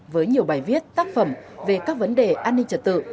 với nhiều bài viết tác phẩm về các vấn đề an ninh trật tự